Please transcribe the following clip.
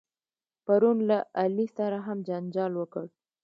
پرون له علي سره هم جنجال وکړ.